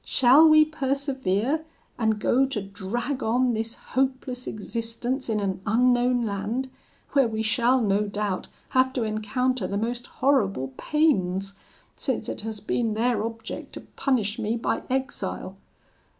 Shall we persevere, and go to drag on this hopeless existence in an unknown land, where we shall, no doubt, have to encounter the most horrible pains, since it has been their object to punish me by exile?